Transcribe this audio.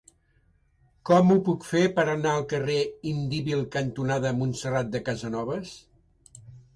Com ho puc fer per anar al carrer Indíbil cantonada Montserrat de Casanovas?